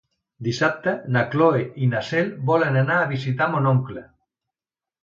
Dissabte na Cloè i na Cel volen anar a visitar mon oncle.